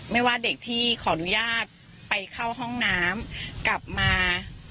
ไม่ว่าเด็กที่ขออนุญาตไปเข้าห้องน้ำกลับมา